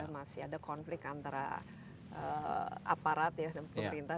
masih ada konflik antara aparat ya dan pemerintah